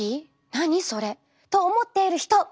何それ？と思っている人！